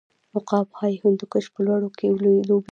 عقاب های هندوکش په لوړو کې لوبیږي.